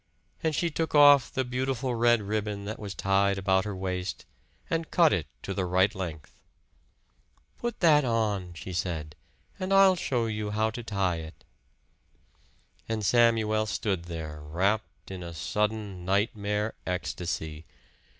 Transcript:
And she took off the beautiful red ribbon that was tied about her waist, and cut it to the right length. "Put that on," she said, "and I'll show you how to tie it." And Samuel stood there, rapt in a sudden nightmare ecstasy.